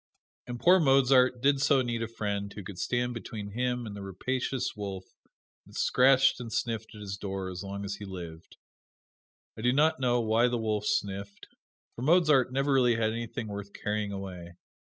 And poor Mozart did so need a friend who could stand between him and the rapacious wolf that scratched and sniffed at his door as long as he lived. I do not know why the wolf sniffed, for Mozart really never had anything worth carrying away.